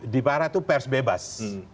di barat itu pers bebas